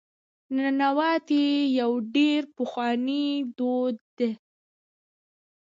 ننواتې یو ډېر پخوانی دود دی.